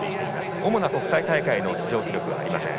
主な国際大会の出場記録はありません。